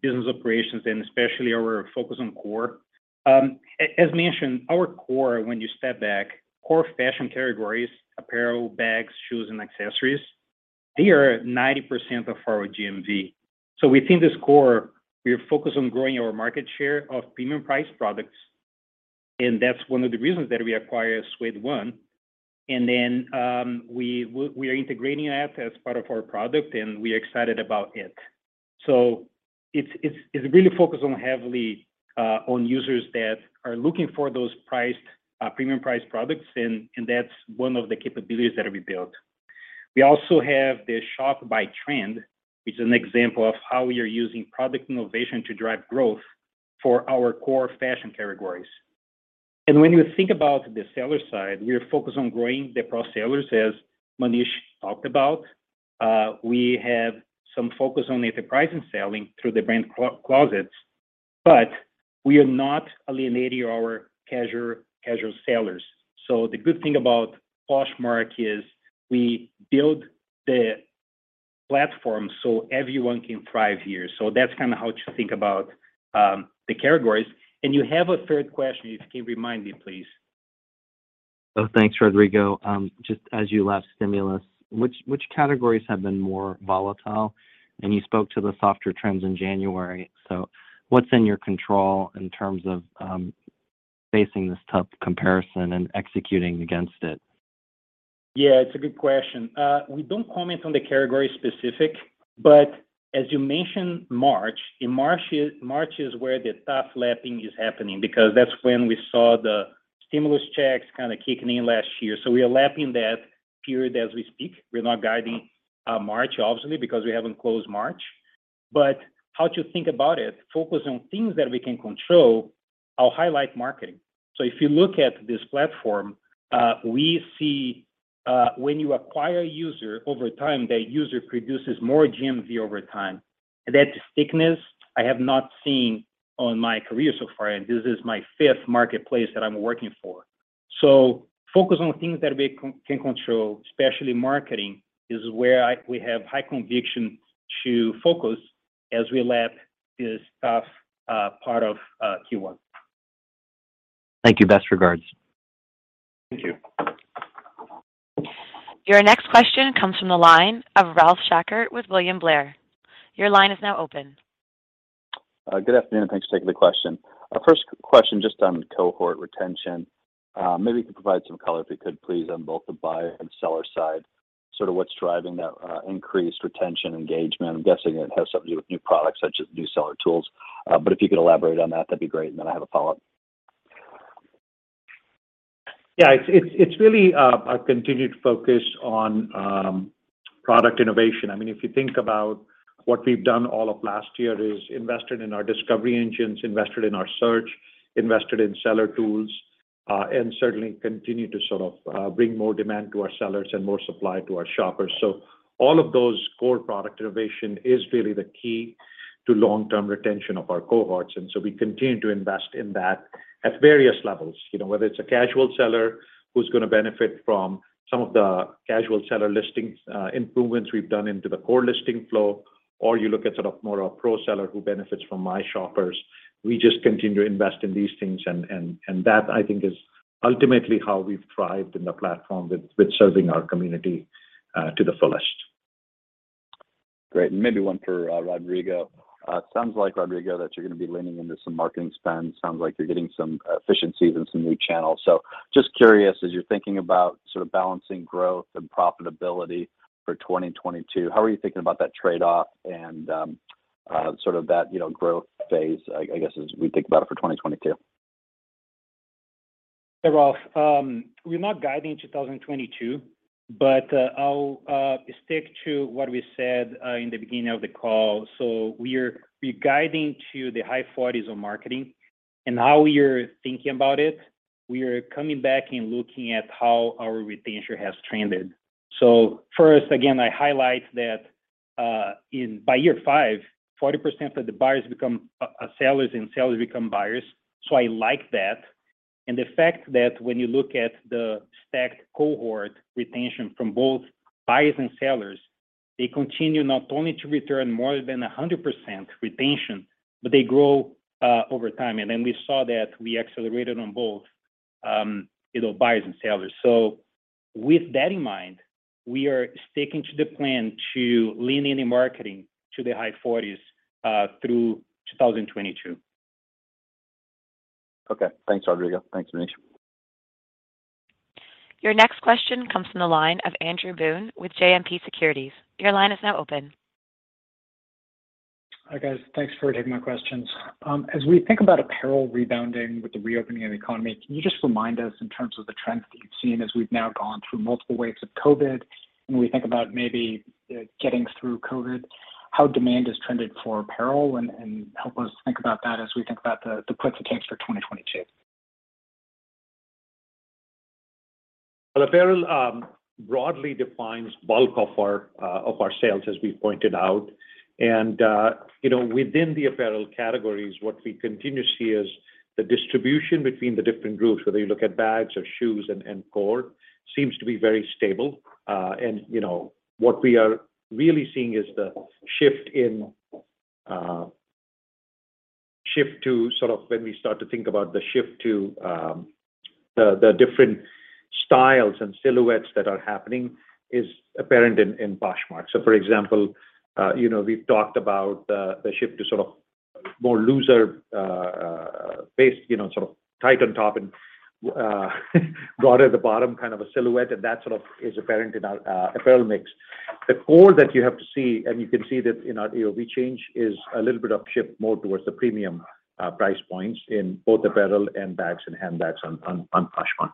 business operations and especially our focus on core. As mentioned, our core, when you step back, core fashion categories, apparel, bags, shoes, and accessories, they are 90% of our GMV. Within this core, we are focused on growing our market share of premium priced products, and that's one of the reasons that we acquired Suede One. We are integrating that as part of our product, and we are excited about it. It's really focused on heavily on users that are looking for those premium priced products, and that's one of the capabilities that we built. We also have the Shop by Trend, which is an example of how we are using product innovation to drive growth for our core fashion categories. When you think about the seller side, we are focused on growing the pro sellers, as Manish talked about. We have some focus on the enterprise and selling through the brand closets, but we are not alienating our casual sellers. The good thing about Poshmark is we build the platform so everyone can thrive here. That's kind of how to think about the categories. You have a third question. If you can remind me, please. Oh, thanks, Rodrigo. Just as you left stimulus, which categories have been more volatile? You spoke to the softer trends in January. What's in your control in terms of facing this tough comparison and executing against it? Yeah, it's a good question. We don't comment on the category specific, but as you mentioned March, in March is where the tough lapping is happening because that's when we saw the stimulus checks kind of kicking in last year. We are lapping that period as we speak. We're not guiding March obviously, because we haven't closed March. How to think about it, focus on things that we can control. I'll highlight marketing. If you look at this platform, we see when you acquire a user over time, that user produces more GMV over time. That stickiness I have not seen in my career so far, and this is my fifth marketplace that I'm working for. Focus on things that we can control, especially marketing, is where we have high conviction to focus as we lap this tough part of Q1. Thank you. Best regards. Thank you. Your next question comes from the line of Ralph Schackart with William Blair. Your line is now open. Good afternoon, and thanks for taking the question. Our first question just on cohort retention. Maybe you could provide some color if you could, please, on both the buyer and seller side, sort of what's driving that, increased retention engagement. I'm guessing it has something to do with new products such as new seller tools. But if you could elaborate on that'd be great. I have a follow-up. Yeah. It's really our continued focus on product innovation. I mean, if you think about what we've done all of last year is invested in our discovery engines, invested in our search, invested in seller tools, and certainly continue to sort of bring more demand to our sellers and more supply to our shoppers. All of those core product innovation is really the key to long-term retention of our cohorts, and so we continue to invest in that at various levels. You know, whether it's a casual seller who's gonna benefit from some of the casual seller listings improvements we've done into the core listing flow, or you look at sort of more a pro seller who benefits from My Shoppers. We just continue to invest in these things and that, I think, is ultimately how we've thrived in the platform with serving our community to the fullest. Great. Maybe one for Rodrigo. Sounds like, Rodrigo, that you're gonna be leaning into some marketing spend. Sounds like you're getting some efficiencies in some new channels. Just curious, as you're thinking about sort of balancing growth and profitability for 2022, how are you thinking about that trade-off and sort of that, you know, growth phase, I guess, as we think about it for 2022? Hey, Ralph. We're not guiding 2022, but I'll stick to what we said in the beginning of the call. We're guiding to the high $40s on marketing. How we're thinking about it, we are coming back and looking at how our retention has trended. First, again, I highlight that and by year 5, 40% of the buyers become sellers and sellers become buyers, so I like that. The fact that when you look at the stacked cohort retention from both buyers and sellers, they continue not only to return more than 100% retention, but they grow over time. We saw that we accelerated on both, you know, buyers and sellers. With that in mind, we are sticking to the plan to lean into marketing to the high 40s% through 2022. Okay. Thanks, Rodrigo. Thanks, Manish. Your next question comes from the line of Andrew Boone with JMP Securities. Your line is now open. Hi, guys. Thanks for taking my questions. As we think about apparel rebounding with the reopening of the economy, can you just remind us in terms of the trends that you've seen as we've now gone through multiple waves of COVID, when we think about maybe getting through COVID, how demand has trended for apparel and help us think about that as we think about the puts and takes for 2022? Well, apparel broadly defines bulk of our sales, as we pointed out. You know, within the apparel categories, what we continue to see is the distribution between the different groups, whether you look at bags or shoes and core, seems to be very stable. You know, what we are really seeing is the shift to sort of when we start to think about the shift to the different styles and silhouettes that are happening is apparent in Poshmark. For example, you know, we've talked about the shift to sort of more looser based, you know, sort of tight on top and broader at the bottom kind of a silhouette, and that sort of is apparent in our apparel mix. The core that you have to see, and you can see that in our AOV change, is a little bit of shift more towards the premium price points in both apparel and bags and handbags on Poshmark.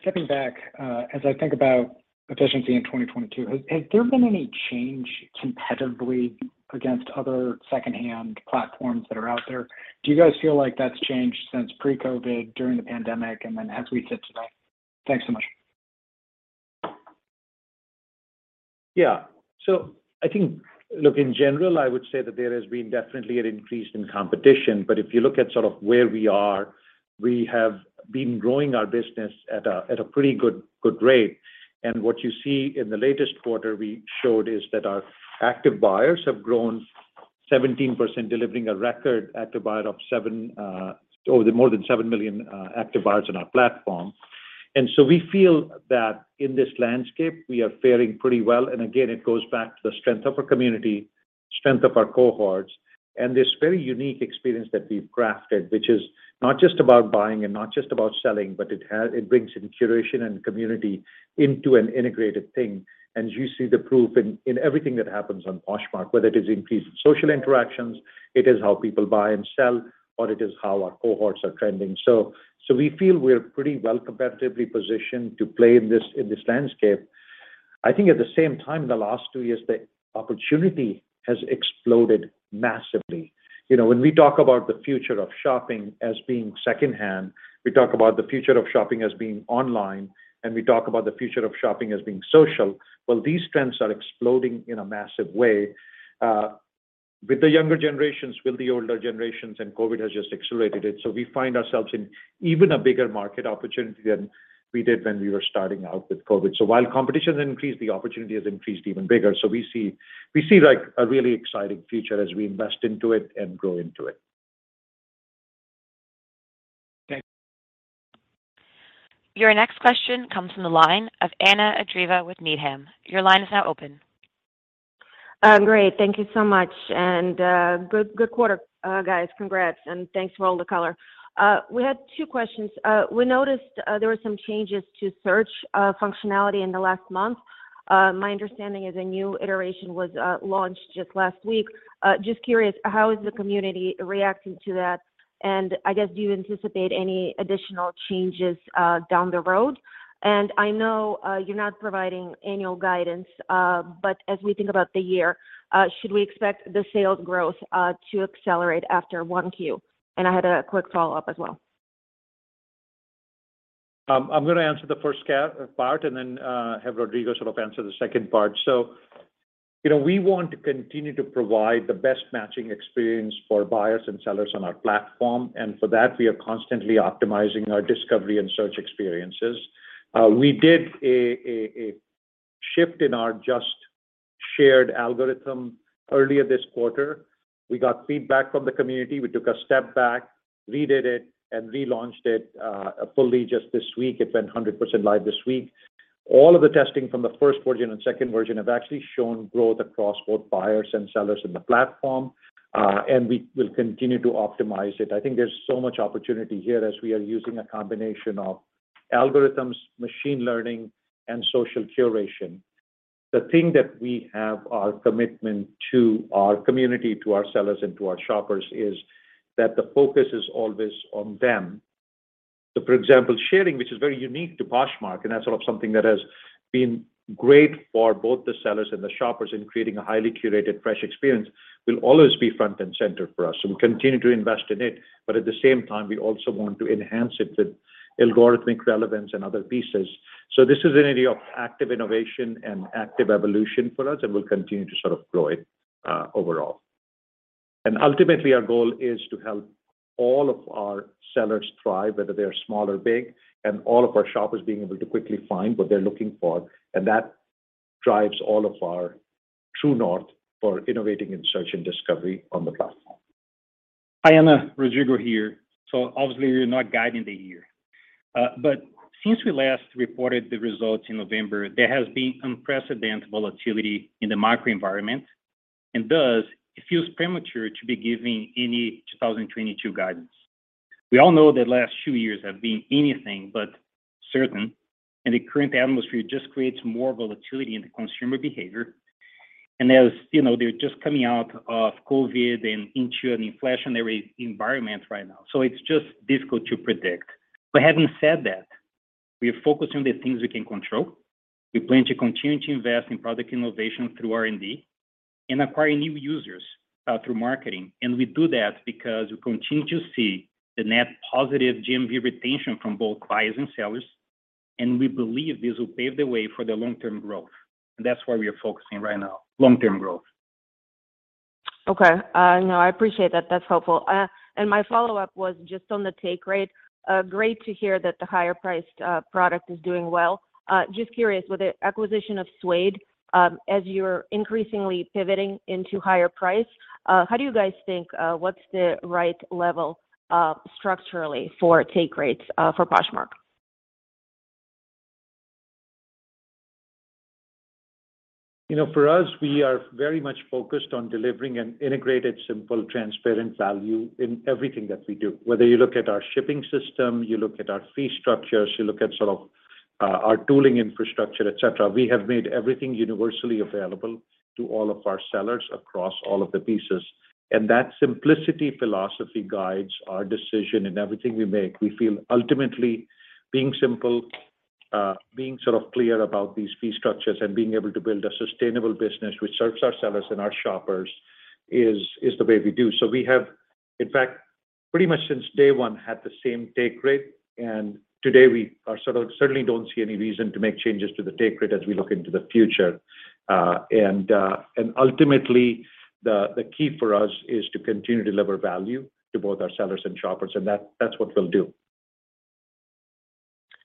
Stepping back, as I think about efficiency in 2022, has there been any change competitively against other second-hand platforms that are out there? Do you guys feel like that's changed since pre-COVID, during the pandemic, and then as we sit today? Thanks so much. Yeah. I think, look, in general, I would say that there has been definitely an increase in competition. If you look at sort of where we are, we have been growing our business at a pretty good rate. What you see in the latest quarter we showed is that our active buyers have grown 17%, delivering a record of over 7 million active buyers on our platform. We feel that in this landscape, we are faring pretty well. Again, it goes back to the strength of our community, strength of our cohorts, and this very unique experience that we've crafted, which is not just about buying and not just about selling, but it brings in curation and community into an integrated thing. You see the proof in everything that happens on Poshmark, whether it is increased social interactions, it is how people buy and sell, or it is how our cohorts are trending. We feel we're pretty well competitively positioned to play in this landscape. I think at the same time, in the last two years, the opportunity has exploded massively. You know, when we talk about the future of shopping as being secondhand, we talk about the future of shopping as being online, and we talk about the future of shopping as being social. Well, these trends are exploding in a massive way with the younger generations, with the older generations, and COVID has just accelerated it. We find ourselves in even a bigger market opportunity than we did when we were starting out with COVID. While competition has increased, the opportunity has increased even bigger. We see like a really exciting future as we invest into it and grow into it. Okay. Your next question comes from the line of Anna Andreeva with Needham. Your line is now open. Great. Thank you so much, and good quarter, guys. Congrats, and thanks for all the color. We had two questions. We noticed there were some changes to search functionality in the last month. My understanding is a new iteration was launched just last week. Just curious, how is the community reacting to that? I guess, do you anticipate any additional changes down the road? I know you're not providing annual guidance, but as we think about the year, should we expect the sales growth to accelerate after one Q? I had a quick follow-up as well. I'm gonna answer the first part and then have Rodrigo sort of answer the second part. You know, we want to continue to provide the best matching experience for buyers and sellers on our platform. For that, we are constantly optimizing our discovery and search experiences. We did a shift in our just-shared algorithm earlier this quarter. We got feedback from the community. We took a step back, redid it, and relaunched it fully just this week. It went 100% live this week. All of the testing from the first version and second version have actually shown growth across both buyers and sellers in the platform, and we will continue to optimize it. I think there's so much opportunity here as we are using a combination of algorithms, machine learning, and social curation. The thing that we have our commitment to our community, to our sellers, and to our shoppers, is that the focus is always on them. For example, sharing, which is very unique to Poshmark, and that's sort of something that has been great for both the sellers and the shoppers in creating a highly curated, fresh experience, will always be front and center for us, and we continue to invest in it. At the same time, we also want to enhance it with algorithmic relevance and other pieces. This is an area of active innovation and active evolution for us, and we'll continue to sort of grow it, overall. Ultimately, our goal is to help all of our sellers thrive, whether they are small or big, and all of our shoppers being able to quickly find what they're looking for. That drives all of our true north for innovating in search and discovery on the platform. Hi, Anna. Rodrigo here. Obviously we're not guiding the year. But since we last reported the results in November, there has been unprecedented volatility in the macro environment, and thus, it feels premature to be giving any 2022 guidance. We all know the last two years have been anything but certain, and the current atmosphere just creates more volatility in the consumer behavior. As you know, they're just coming out of COVID and into an inflationary environment right now, so it's just difficult to predict. Having said that, we are focused on the things we can control. We plan to continue to invest in product innovation through R&D and acquire new users through marketing. We do that because we continue to see the net positive GMV retention from both buyers and sellers, and we believe this will pave the way for the long-term growth. That's where we are focusing right now, long-term growth. Okay. No, I appreciate that. That's helpful. My follow-up was just on the take rate. Great to hear that the higher priced product is doing well. Just curious, with the acquisition of Suede, as you're increasingly pivoting into higher price, how do you guys think, what's the right level, structurally for take rates, for Poshmark? You know, for us, we are very much focused on delivering an integrated, simple, transparent value in everything that we do. Whether you look at our shipping system, you look at our fee structures, you look at sort of our tooling infrastructure, et cetera. We have made everything universally available to all of our sellers across all of the pieces. That simplicity philosophy guides our decision in everything we make. We feel ultimately being simple, being sort of clear about these fee structures and being able to build a sustainable business which serves our sellers and our shoppers is the way we do. We have, in fact, pretty much since day one, had the same take rate. Today, we are sort of certainly don't see any reason to make changes to the take rate as we look into the future. Ultimately, the key for us is to continue to deliver value to both our sellers and shoppers, and that's what we'll do.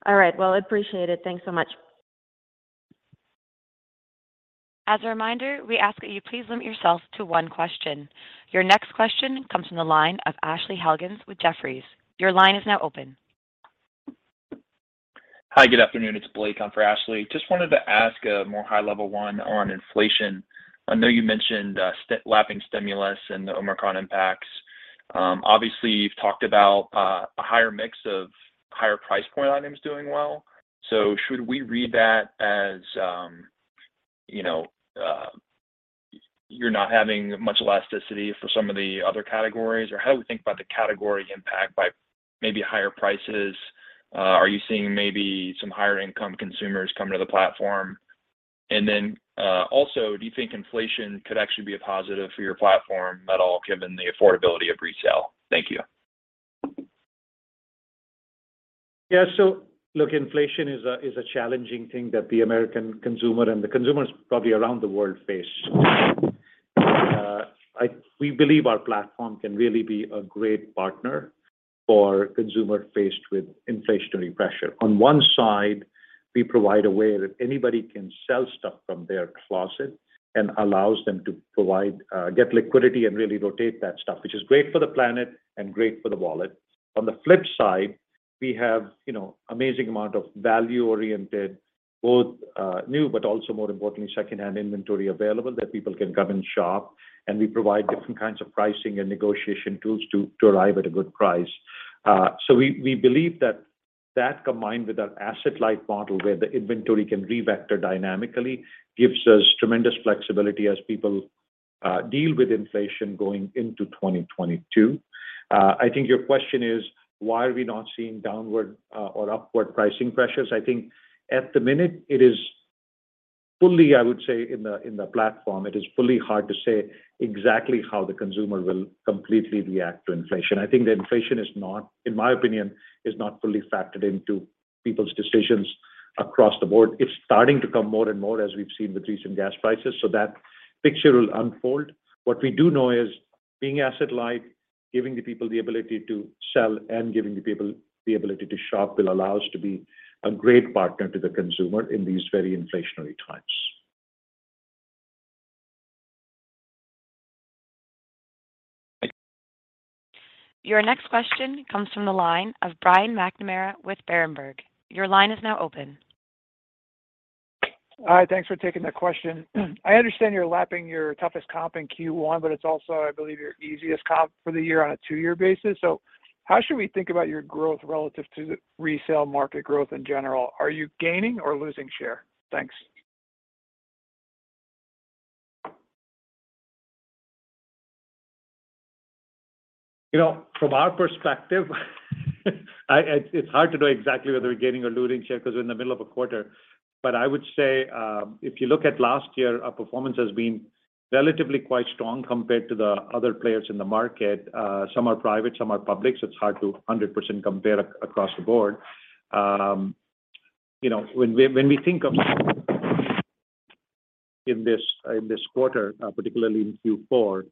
All right. Well, I appreciate it. Thanks so much. As a reminder, we ask that you please limit yourself to one question. Your next question comes from the line of Ashley Helgans with Jefferies. Your line is now open. Hi, good afternoon. It's Blake on for Ashley. Just wanted to ask a more high-level one on inflation. I know you mentioned lapping stimulus and the Omicron impacts. Obviously you've talked about a higher mix of higher price point items doing well. Should we read that as you know, you're not having much elasticity for some of the other categories, or how do we think about the category impact by maybe higher prices? Are you seeing maybe some higher income consumers coming to the platform? Also, do you think inflation could actually be a positive for your platform at all given the affordability of resale? Thank you. Yeah. Look, inflation is a challenging thing that the American consumer and the consumers probably around the world face. We believe our platform can really be a great partner for consumers faced with inflationary pressure. On one side, we provide a way that anybody can sell stuff from their closet and allows them to get liquidity and really rotate that stuff, which is great for the planet and great for the wallet. On the flip side, we have you know amazing amount of value-oriented both new but also more importantly second hand inventory available that people can come and shop, and we provide different kinds of pricing and negotiation tools to arrive at a good price. We believe that combined with our asset-light model where the inventory can revector dynamically gives us tremendous flexibility as people deal with inflation going into 2022. I think your question is why are we not seeing downward or upward pricing pressures? I think at the moment, I would say in the platform, it's hard to say exactly how the consumer will completely react to inflation. I think the inflation is not, in my opinion, fully factored into people's decisions across the board. It's starting to come more and more as we've seen with recent gas prices, so that picture will unfold. What we do know is being asset light, giving the people the ability to sell and giving the people the ability to shop will allow us to be a great partner to the consumer in these very inflationary times. Thank you. Your next question comes from the line of Brian McNamara with Berenberg. Your line is now open. Hi. Thanks for taking the question. I understand you're lapping your toughest comp in Q1, but it's also, I believe, your easiest comp for the year on a two-year basis. How should we think about your growth relative to the resale market growth in general? Are you gaining or losing share? Thanks. You know, from our perspective, it's hard to know exactly whether we're gaining or losing share 'cause we're in the middle of a quarter. I would say, if you look at last year, our performance has been relatively quite strong compared to the other players in the market. Some are private, some are public, so it's hard to 100% compare across the board. You know, when we think of this quarter, particularly in Q4,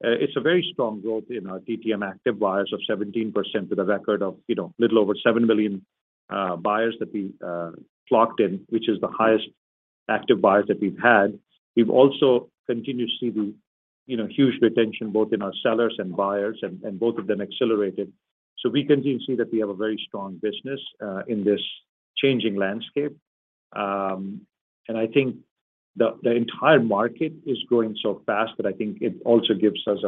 it's a very strong growth in our TTM active buyers of 17% with a record of, you know, little over 7 million buyers that we clocked in, which is the highest active buyers that we've had. We've also continued to see the, you know, huge retention both in our sellers and buyers and both of them accelerated. We continue to see that we have a very strong business in this changing landscape. I think the entire market is growing so fast that I think it also gives us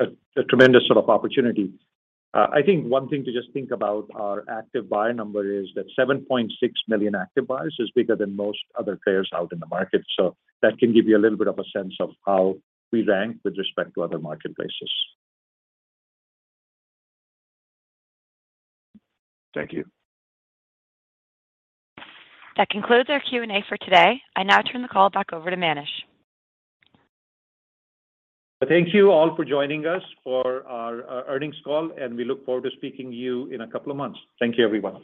a tremendous sort of opportunity. I think one thing to just think about our active buyer number is that 7.6 million active buyers is bigger than most other players out in the market. That can give you a little bit of a sense of how we rank with respect to other marketplaces. Thank you. That concludes our Q&A for today. I now turn the call back over to Manish. Thank you all for joining us for our earnings call, and we look forward to speaking to you in a couple of months. Thank you, everyone.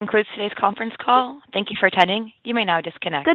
Concludes today's conference call. Thank you for attending. You may now disconnect.